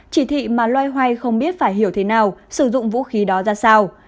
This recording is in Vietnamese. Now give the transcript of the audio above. chỉ thị mà loay hoay không biết phải hiểu thế nào sử dụng vũ khí đó ra sao